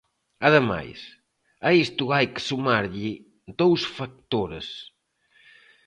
Ademais, a isto hai que sumarlle dous factores.